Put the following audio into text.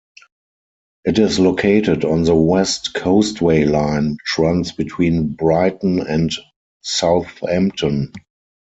It is located on the West Coastway Line which runs between Brighton and Southampton.